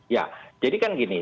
ya jadi kan gini